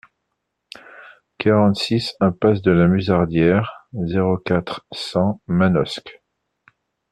quarante-six impasse de la Musardière, zéro quatre, cent, Manosque